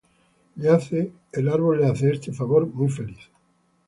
El árbol le hace este favor muy contento.